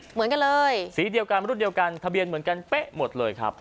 เหมือนกันเลยสีเดียวกันรุ่นเดียวกันทะเบียนเหมือนกันเป๊ะหมดเลยครับ